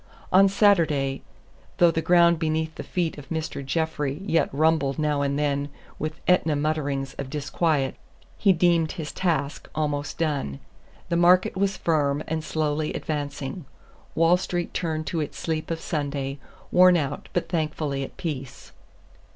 On Saturday, though the ground beneath the feet of Mr. Jeffrey yet rumbled now and then with Ætna mutterings of disquiet, he deemed his task almost done. The market was firm and slowly advancing. Wall Street turned to its sleep of Sunday, worn out but thankfully at peace.